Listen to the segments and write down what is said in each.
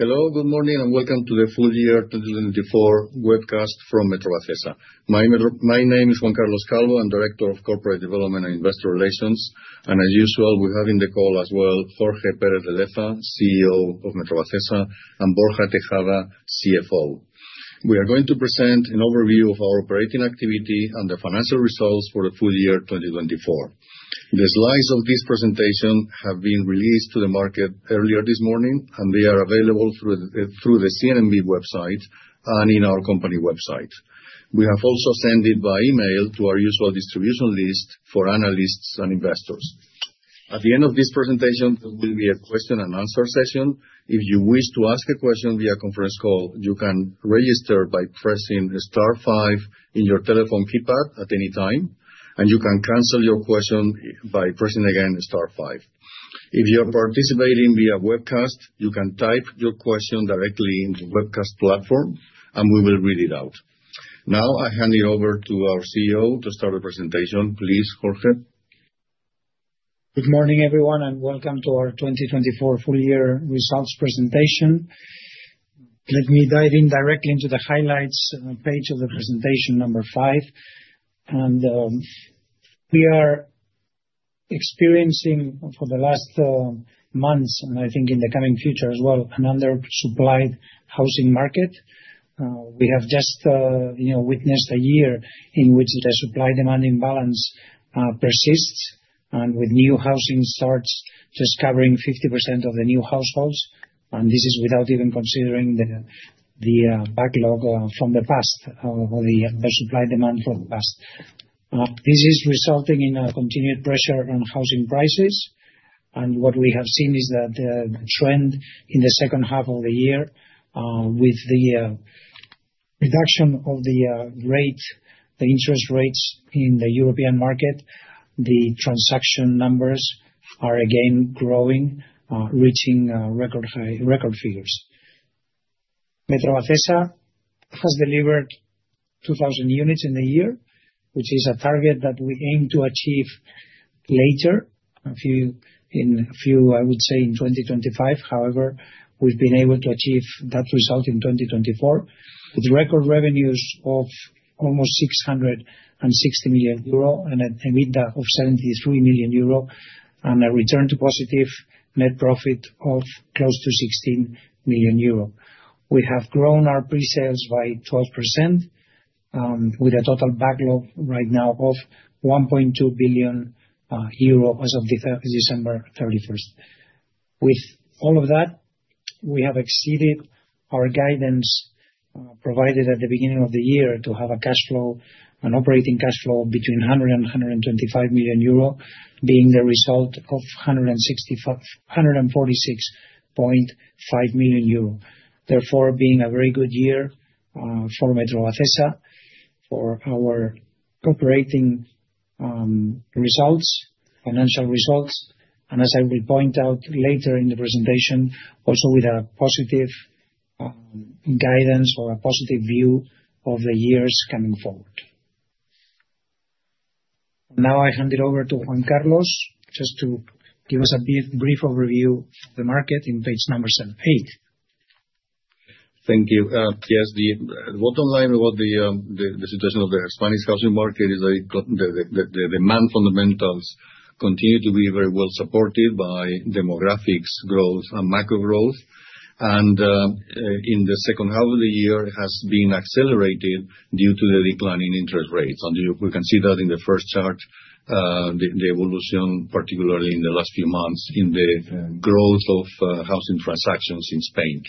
Hello, good morning, and welcome to the full year 2024 webcast from Metrovacesa. My name is Juan Carlos Calvo. I'm Director of Corporate Development and Investor Relations, and as usual, we have in the call as well Jorge Pérez de Leza, CEO of Metrovacesa, and Borja Tejada, CFO. We are going to present an overview of our operating activity and the financial results for the full year 2024. The slides of this presentation have been released to the market earlier this morning, and they are available through the CNMV website and in our company website. We have also sent it by email to our usual distribution list for analysts and investors. At the end of this presentation, there will be a question and answer session. If you wish to ask a question via conference call, you can register by pressing the star five in your telephone keypad at any time, and you can cancel your question by pressing again the star five. If you are participating via webcast, you can type your question directly in the webcast platform, and we will read it out. Now I hand it over to our CEO to start the presentation. Please, Jorge. Good morning, everyone, and welcome to our 2024 full year results presentation. Let me dive in directly into the highlights page of the presentation number five, and we are experiencing for the last months, and I think in the coming future as well, an undersupplied housing market. We have just witnessed a year in which the supply-demand imbalance persists, and with new housing starts just covering 50% of the new households, and this is without even considering the backlog from the past or the undersupplied demand from the past. This is resulting in a continued pressure on housing prices, and what we have seen is that the trend in the second half of the year with the reduction of the rate, the interest rates in the European market, the transaction numbers are again growing, reaching record high record figures. Metrovacesa has delivered 2,000 units in the year, which is a target that we aim to achieve later, a few, I would say, in 2025. However, we've been able to achieve that result in 2024 with record revenues of almost 660 million euro and an EBITDA of 73 million euro and a return to positive net profit of close to 16 million euro. We have grown our pre-sales by 12% with a total backlog right now of 1.2 billion euro as of December 31st. With all of that, we have exceeded our guidance provided at the beginning of the year to have a cash flow, an operating cash flow between 100 million euro and 125 million euro, being the result of 146.5 million euro. Therefore, being a very good year for Metrovacesa for our operating results, financial results, and as I will point out later in the presentation, also with a positive guidance or a positive view of the years coming forward. Now I hand it over to Juan Carlos just to give us a brief overview of the market in page number eight. Thank you. Yes, the bottom line about the situation of the Spanish housing market is that the demand fundamentals continue to be very well supported by demographics, growth, and macro growth. And in the second half of the year, it has been accelerated due to the decline in interest rates. And we can see that in the first chart, the evolution, particularly in the last few months in the growth of housing transactions in Spain.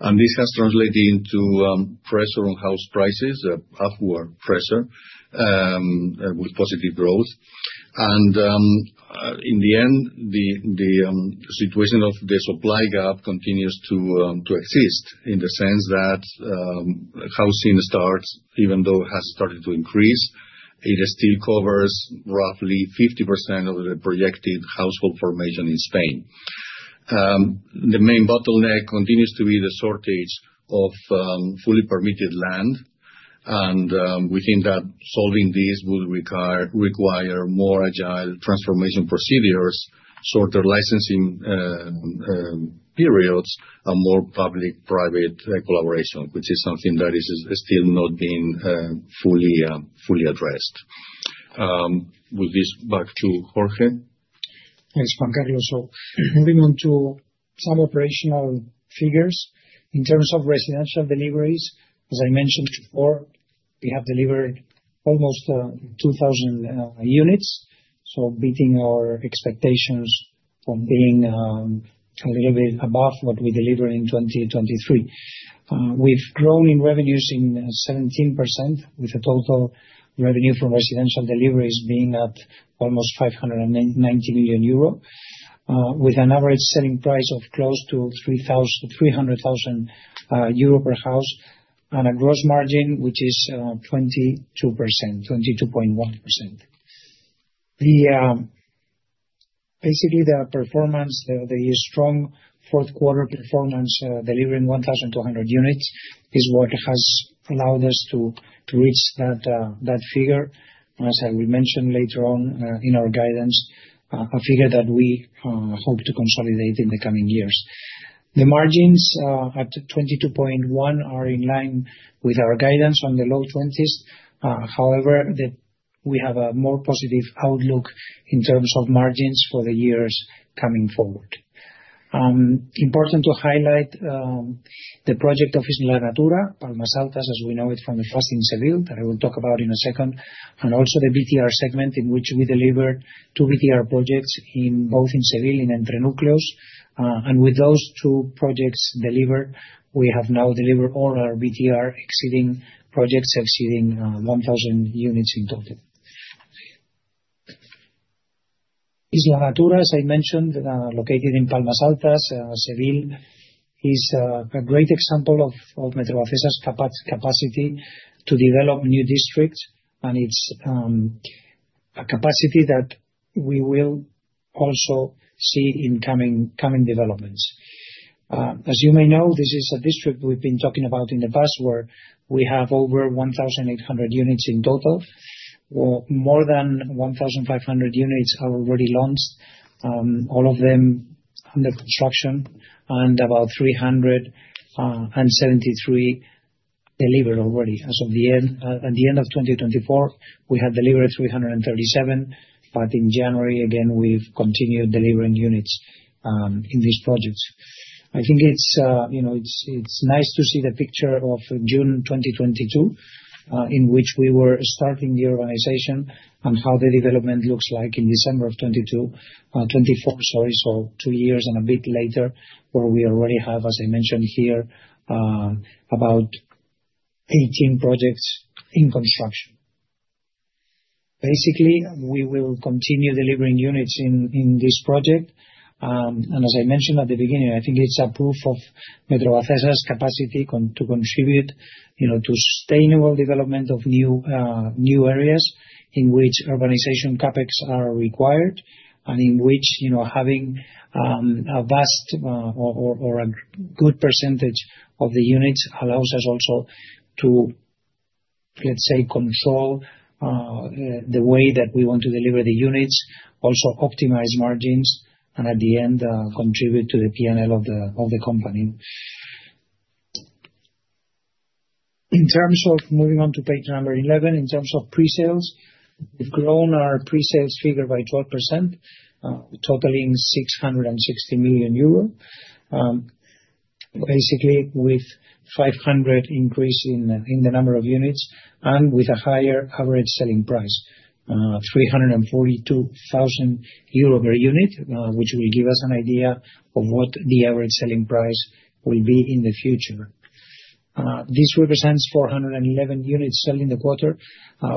And this has translated into pressure on house prices, upward pressure with positive growth. And in the end, the situation of the supply gap continues to exist in the sense that housing starts, even though it has started to increase, it still covers roughly 50% of the projected household formation in Spain. The main bottleneck continues to be the shortage of fully permitted land. We think that solving this would require more agile transformation procedures, shorter licensing periods, and more public-private collaboration, which is something that is still not being fully addressed. With this back to Jorge. Thanks, Juan Carlos. So moving on to some operational figures. In terms of residential deliveries, as I mentioned before, we have delivered almost 2,000 units, so beating our expectations from being a little bit above what we delivered in 2023. We've grown in revenues in 17%, with a total revenue from residential deliveries being at almost 590 million euro, with an average selling price of close to 300,000 euro per house, and a gross margin which is 22%, 22.1%. Basically, the performance, the strong fourth quarter performance delivering 1,200 units is what has allowed us to reach that figure. As I will mention later on in our guidance, a figure that we hope to consolidate in the coming years. The margins at 22.1% are in line with our guidance on the low 20s. However, we have a more positive outlook in terms of margins for the years coming forward. Important to highlight the project of Isla Natura, Palmas Altas, as we know it from the past in Seville, that I will talk about in a second, and also the BTR segment in which we delivered two BTR projects both in Seville and Entrenúcleos, and with those two projects delivered, we have now delivered all our BTR projects exceeding 1,000 units in total. Isla Natura, as I mentioned, located in Palmas Altas, Seville, is a great example of Metrovacesa's capacity to develop new districts, and it's a capacity that we will also see in coming developments. As you may know, this is a district we've been talking about in the past where we have over 1,800 units in total. More than 1,500 units are already launched, all of them under construction, and about 373 delivered already. As of the end of 2024, we had delivered 337, but in January, again, we've continued delivering units in these projects. I think it's nice to see the picture of June 2022 in which we were starting the organization and how the development looks like in December of 2022, 2024, sorry, so two years and a bit later where we already have, as I mentioned here, about 18 projects in construction. Basically, we will continue delivering units in this project. As I mentioned at the beginning, I think it's a proof of Metrovacesa's capacity to contribute to sustainable development of new areas in which urbanization CAPEX are required and in which having a vast or a good percentage of the units allows us also to, let's say, control the way that we want to deliver the units, also optimize margins, and at the end, contribute to the P&L of the company. In terms of moving on to page number 11, in terms of pre-sales, we've grown our pre-sales figure by 12%, totaling 660 million euro, basically with 500 increase in the number of units and with a higher average selling price, 342,000 euro per unit, which will give us an idea of what the average selling price will be in the future. This represents 411 units selling the quarter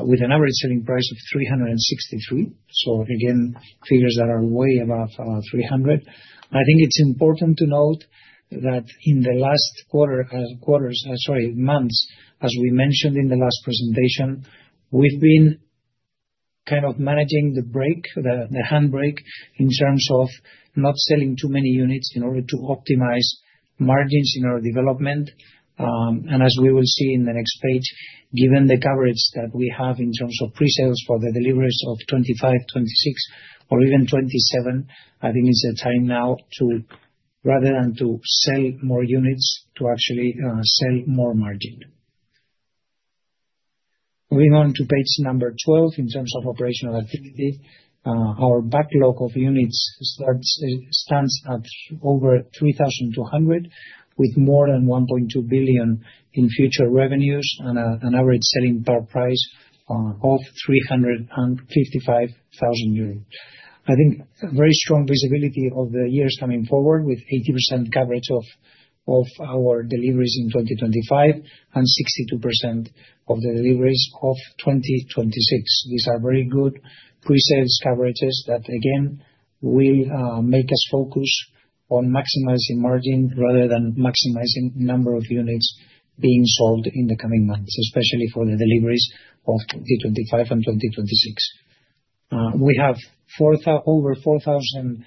with an average selling price of 363. Figures that are way above 300. I think it's important to note that in the last quarters, sorry, months, as we mentioned in the last presentation, we've been kind of managing the break, the handbrake in terms of not selling too many units in order to optimize margins in our development. As we will see in the next page, given the coverage that we have in terms of pre-sales for the deliveries of 2025, 2026, or even 2027, I think it's a time now to, rather than to sell more units, to actually sell more margin. Moving on to page number 12, in terms of operational activity, our backlog of units stands at over 3,200 with more than 1.2 billion in future revenues and an average selling price of 355,000 euros. I think very strong visibility of the years coming forward with 80% coverage of our deliveries in 2025 and 62% of the deliveries of 2026. These are very good pre-sales coverages that, again, will make us focus on maximizing margin rather than maximizing number of units being sold in the coming months, especially for the deliveries of 2025 and 2026. We have over 4,000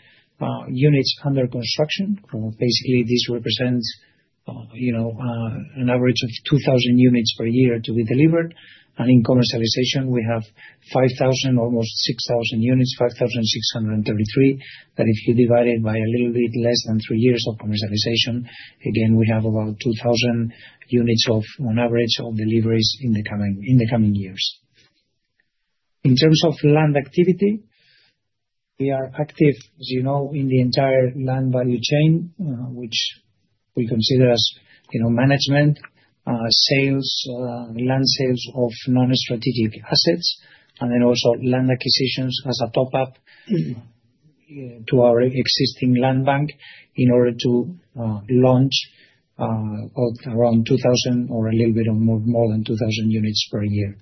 units under construction. Basically, this represents an average of 2,000 units per year to be delivered, and in commercialization, we have 5,000, almost 6,000 units, 5,633, that if you divide it by a little bit less than three years of commercialization, again, we have about 2,000 units of on average of deliveries in the coming years. In terms of land activity, we are active, as you know, in the entire land value chain, which we consider as management, sales, land sales of non-strategic assets, and then also land acquisitions as a top-up to our existing land bank in order to launch around 2,000 or a little bit more than 2,000 units per year.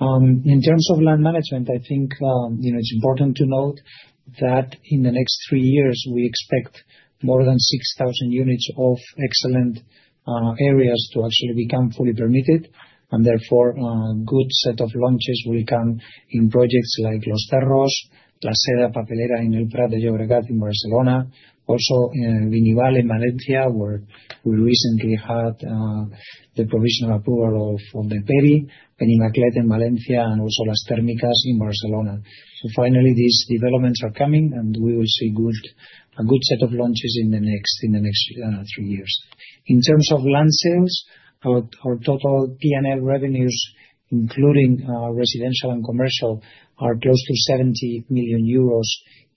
In terms of land management, I think it's important to note that in the next three years, we expect more than 6,000 units of excellent areas to actually become fully permitted. And therefore, a good set of launches will come in projects like Los Cerros, La Papelera in El Prat de Llobregat in Barcelona, also Vinival in Valencia, where we recently had the provisional approval of the PERI, Benimaclet in Valencia, and also Las Térmicas in Barcelona. So finally, these developments are coming, and we will see a good set of launches in the next three years. In terms of land sales, our total P&L revenues, including residential and commercial, are close to 70 million euros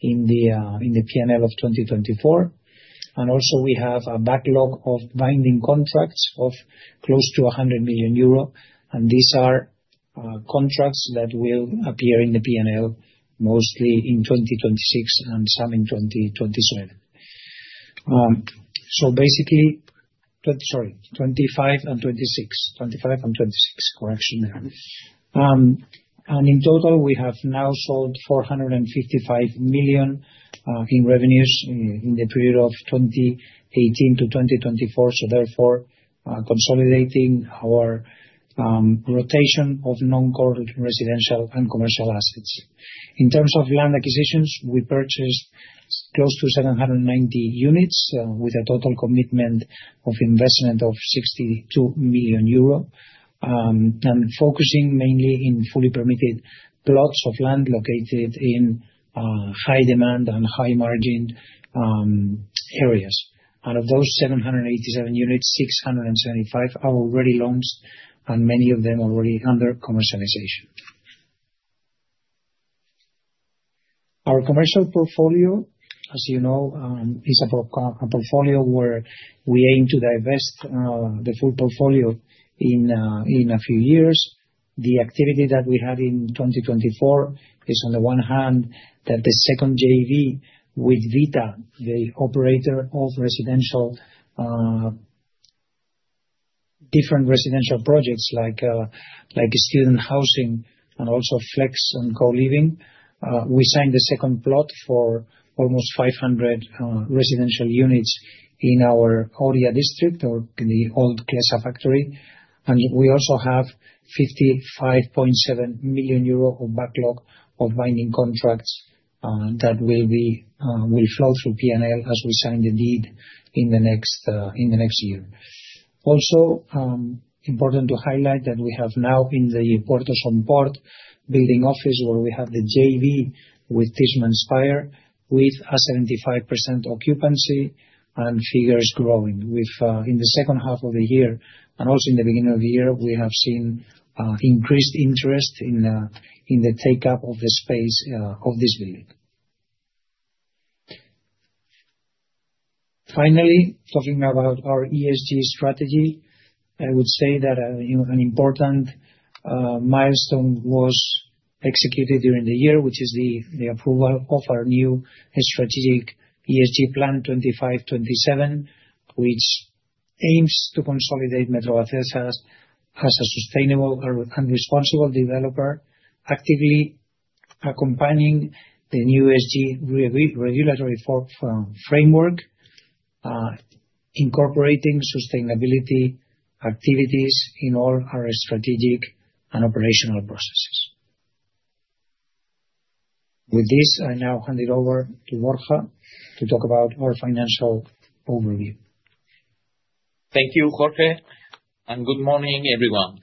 in the P&L of 2024. And also, we have a backlog of binding contracts of close to 100 million euro. And these are contracts that will appear in the P&L mostly in 2026 and some in 2027. So basically, sorry, 25 and 26, 25 and 26, correction there. And in total, we have now sold 455 million EUR in revenues in the period of 2018 to 2024. So therefore, consolidating our rotation of non-core residential and commercial assets. In terms of land acquisitions, we purchased close to 790 units with a total commitment of investment of 62 million euro and focusing mainly in fully permitted plots of land located in high demand and high margin areas. And of those 787 units, 675 are already launched, and many of them are already under commercialization. Our commercial portfolio, as you know, is a portfolio where we aim to divest the full portfolio in a few years. The activity that we had in 2024 is, on the one hand, that the second JV with Vita, the operator of different residential projects like student housing and also flex and co-living. We signed the second plot for almost 500 residential units in our Oria district or in the old CLESA factory. We also have 55.7 million euro of backlog of binding contracts that will flow through P&L as we sign the deed in the next year. Also, important to highlight that we have now in the Puerto de Somport office building where we have the JV with Tishman Speyer with a 75% occupancy and figures growing. In the second half of the year and also in the beginning of the year, we have seen increased interest in the take-up of the space of this building. Finally, talking about our ESG strategy, I would say that an important milestone was executed during the year, which is the approval of our new strategic ESG plan 2025-2027, which aims to consolidate Metrovacesa as a sustainable and responsible developer, actively accompanying the new ESG regulatory framework, incorporating sustainability activities in all our strategic and operational processes. With this, I now hand it over to Borja to talk about our financial overview. Thank you, Jorge. And good morning, everyone.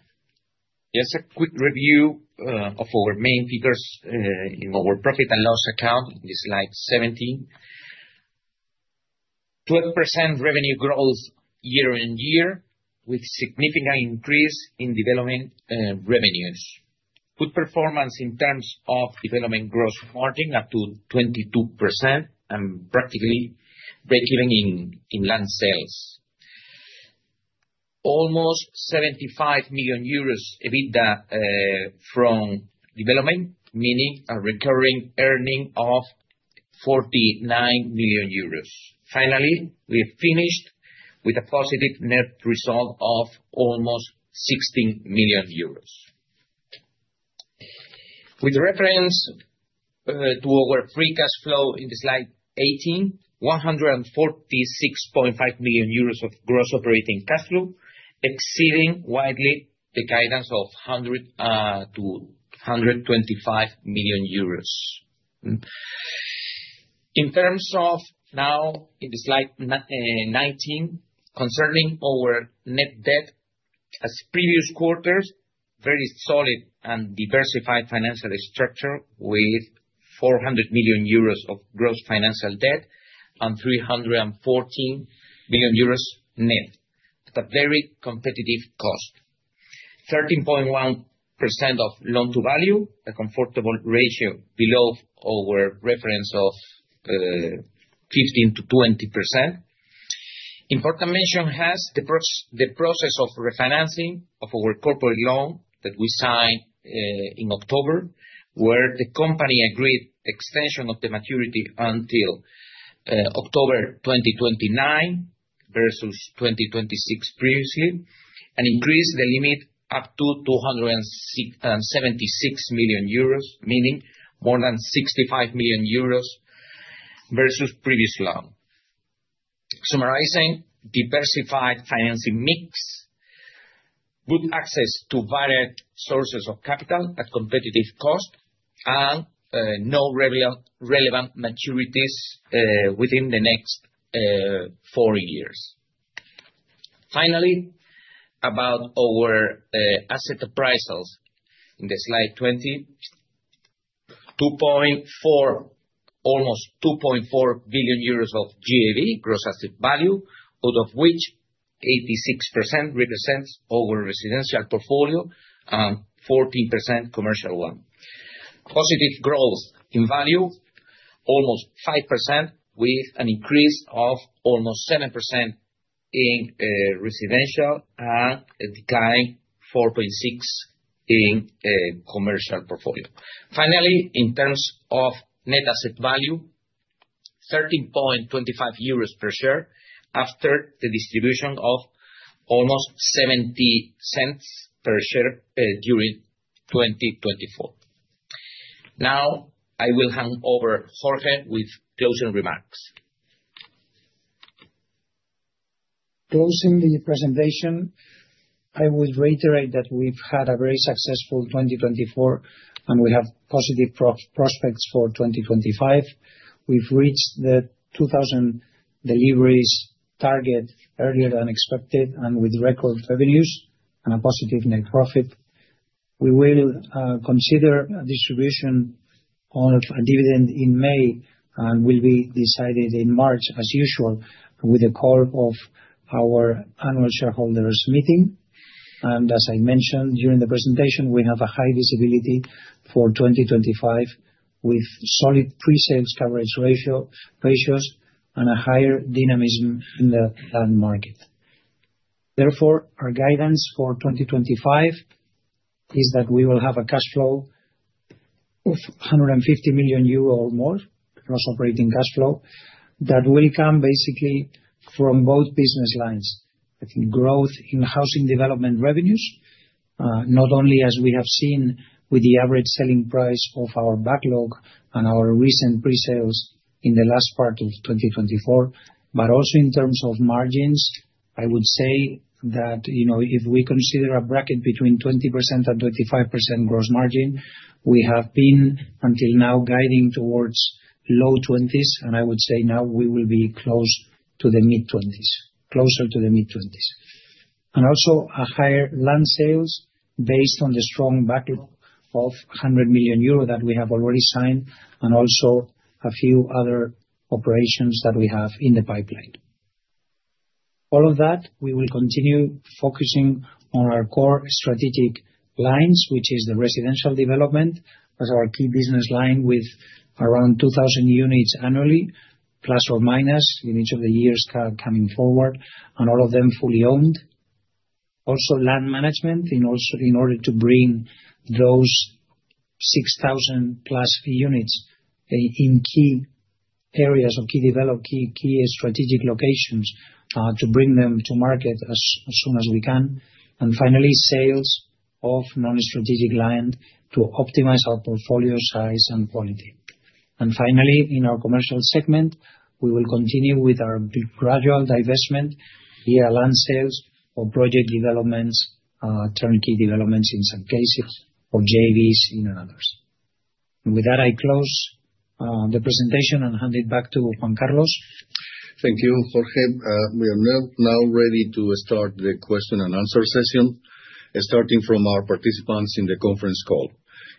Just a quick review of our main figures in our profit and loss account, slide 70. 12% revenue growth year on year with significant increase in development revenues. Good performance in terms of development gross margin up to 22% and practically breakeven in land sales. Almost 75 million euros EBITDA from development, meaning a recurring earning of 49 million euros. Finally, we finished with a positive net result of almost 16 million EUR. With reference to our free cash flow in slide 18, 146.5 million euros of gross operating cash flow, exceeding widely the guidance of 125 million EUR. In terms of now in slide 19, concerning our net debt, as previous quarters, very solid and diversified financial structure with 400 million euros of gross financial debt and 314 million euros net, at a very competitive cost. 13.1% loan to value, a comfortable ratio below our reference of 15%-20%. Important mention has the process of refinancing of our corporate loan that we signed in October where the company agreed extension of the maturity until October 2029 versus 2026 previously and increased the limit up to 276 million euros, meaning more than 65 million euros versus previous loan. Summarizing, diversified financing mix, good access to varied sources of capital at competitive cost, and no relevant maturities within the next four years. Finally, about our asset appraisals in slide 20, 2.4, almost 2.4 billion euros of GAV, gross asset value, out of which 86% represents our residential portfolio and 14% commercial one. Positive growth in value, almost 5% with an increase of almost 7% in residential and a decline of 4.6% in commercial portfolio. Finally, in terms of net asset value, 13.25 euros per share after the distribution of almost 0.70 per share during 2024. Now, I will hand over to Jorge with closing remarks. Closing the presentation, I would reiterate that we've had a very successful 2024, and we have positive prospects for 2025. We've reached the 2,000 deliveries target earlier than expected and with record revenues and a positive net profit. We will consider a distribution of a dividend in May and will be decided in March as usual with the call of our annual shareholders meeting, and as I mentioned during the presentation, we have a high visibility for 2025 with solid pre-sales coverage ratios and a higher dynamism in the land market. Therefore, our guidance for 2025 is that we will have a cash flow of 150 million euro or more gross operating cash flow that will come basically from both business lines. I think growth in housing development revenues, not only as we have seen with the average selling price of our backlog and our recent pre-sales in the last part of 2024, but also in terms of margins. I would say that if we consider a bracket between 20% and 25% gross margin, we have been until now guiding towards low 20s, and I would say now we will be close to the mid-20s, closer to the mid-20s. Also a higher land sales based on the strong backlog of 100 million euro that we have already signed and also a few other operations that we have in the pipeline. All of that, we will continue focusing on our core strategic lines, which is the residential development as our key business line with around 2,000 units annually, plus or minus in each of the years coming forward, and all of them fully owned. Also, land management in order to bring those 6,000 plus units in key areas of key developed, key strategic locations to bring them to market as soon as we can, and finally, sales of non-strategic land to optimize our portfolio size and quality, and finally, in our commercial segment, we will continue with our gradual divestment via land sales or project developments, turnkey developments in some cases or JVs in others. With that, I close the presentation and hand it back to Juan Carlos. Thank you, Jorge. We are now ready to start the question and answer session, starting from our participants in the conference call.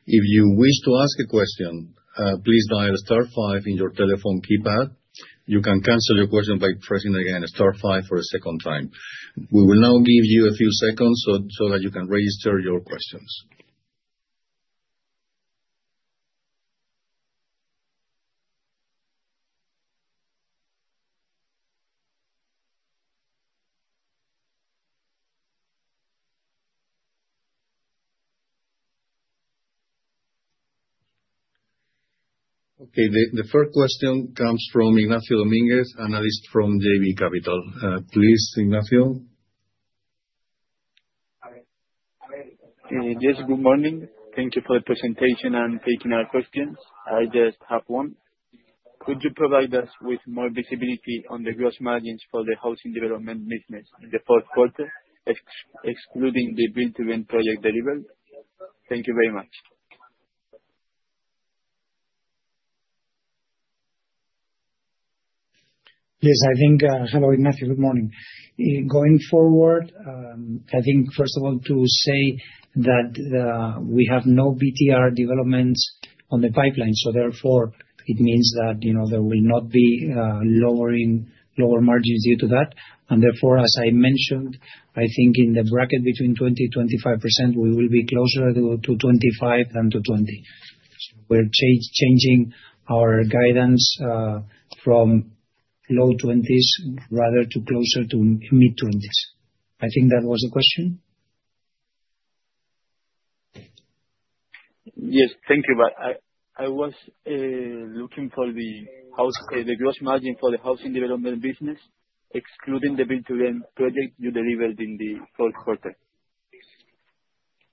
If you wish to ask a question, please dial star 5 in your telephone keypad. You can cancel your question by pressing again star 5 for a second time. We will now give you a few seconds so that you can register your questions. Okay, the first question comes from Ignacio Domínguez, analyst from JB Capital Markets. Please, Ignacio. Yes, good morning. Thank you for the presentation and taking our questions. I just have one. Could you provide us with more visibility on the gross margins for the housing development business in the fourth quarter, excluding the Build to Rent project delivered? Thank you very much. Yes, I think. Hello, Ignacio, good morning. Going forward, I think first of all to say that we have no BTR developments in the pipeline. So therefore, it means that there will not be lower margins due to that. And therefore, as I mentioned, I think in the bracket between 20%-25%, we will be closer to 25% than to 20%. We're changing our guidance from low 20s% rather to closer to mid-20s%. I think that was the question. Yes, thank you. I was looking for the gross margin for the housing development business, excluding the build-to-rent project you delivered in the fourth quarter.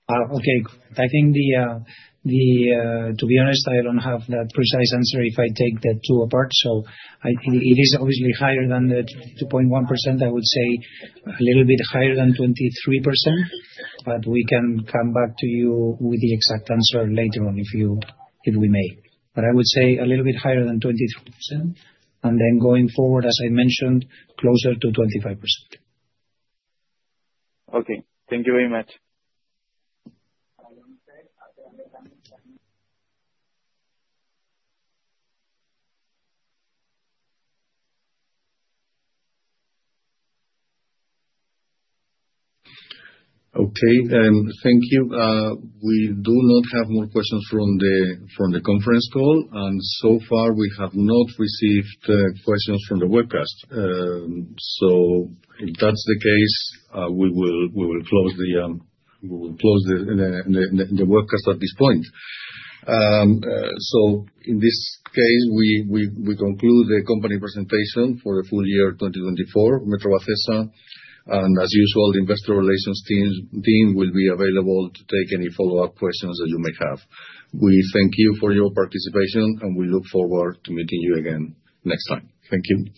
Okay, I think, to be honest, I don't have that precise answer if I take the two apart, so it is obviously higher than the 2.1%. I would say n little bit higher than 23%, but we can come back to you with the exact answer later on if we may. But I would say a little bit higher than 23%. And then going forward, as I mentioned, closer to 25%. Okay, thank you very much. Okay, thank you. We do not have more questions from the conference call. And so far, we have not received questions from the webcast. So if that's the case, we will close the webcast at this point. So in this case, we conclude the company presentation for the full year 2024, Metrovacesa. And as usual, the investor relations team will be available to take any follow-up questions that you may have. We thank you for your participation, and we look forward to meeting you again next time. Thank you.